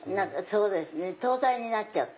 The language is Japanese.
東大になっちゃって。